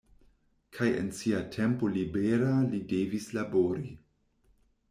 Kaj en sia tempo libera li devis labori.